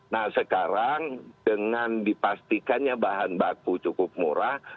nah sekarang dengan dipastikannya bahan baku cukup murah